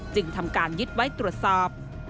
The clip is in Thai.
จึงทำการยึดไว้ตรวจสอบ